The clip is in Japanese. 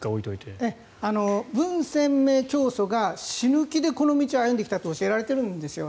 ブン・センメイ教祖が死ぬ気でこの道を歩んできたと教えられているんですよ